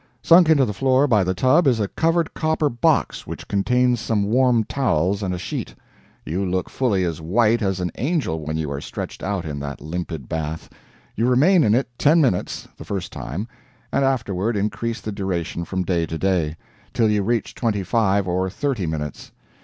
Sunk into the floor, by the tub, is a covered copper box which contains some warm towels and a sheet. You look fully as white as an angel when you are stretched out in that limpid bath. You remain in it ten minutes, the first time, and afterward increase the duration from day to day, till you reach twenty five or thirty minutes.